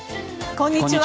こんにちは。